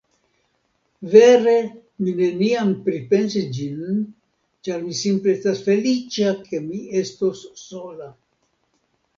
Vere, mi neniam pripensis ĝin, ĉar mi simple estas feliĉa, ke mi estos sola.